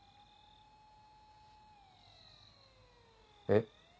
えっ？